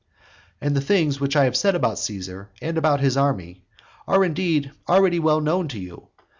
IV. And the things which I have said about Caesar and about his army, are, indeed, already well known to you.